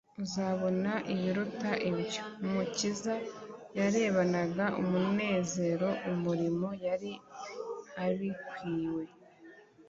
Uzabona ibiruta ibyo!" Umukiza yarebanaga umunezero umurimo yari abikiwe